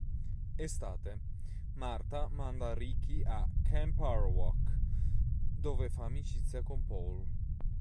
Estate: Martha manda Ricky a "Camp Arawak", dove fa amicizia con Paul.